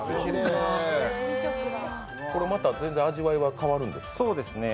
これはまた全然味わいが変わるんですか？